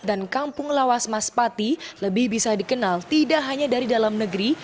dan kampung lawas mas pati lebih bisa dikenal tidak hanya dari dalam negeri